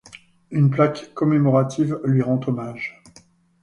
Une plaque commémorative lui rend hommage.